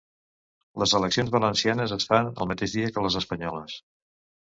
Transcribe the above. Les eleccions valencianes es fan el mateix dia que les espanyoles.